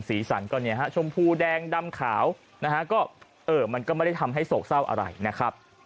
สีสันก็เนี่ยฮะชมพูแดงดำขาวนะฮะก็เออมันก็ไม่ได้ทำให้โศกเศร้าอะไรนะครับ